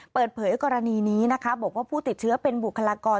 เปิดเผยกรณีนี้นะคะบอกว่าผู้ติดเชื้อเป็นบุคลากร